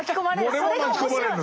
俺も巻き込まれるの？